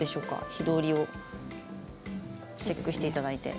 火通りをチェックしていただいて。